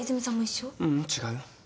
ううん違うよ。